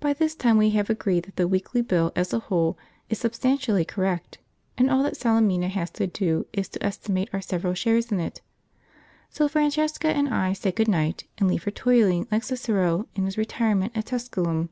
By this time we have agreed that the weekly bill as a whole is substantially correct, and all that Salemina has to do is to estimate our several shares in it; so Francesca and I say good night and leave her toiling like Cicero in his retirement at Tusculum.